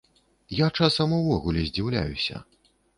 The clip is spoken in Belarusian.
Я часам увогуле здзіўляюся.